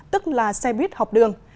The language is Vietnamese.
tức là xe buýt học đường